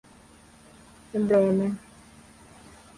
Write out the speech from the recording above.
време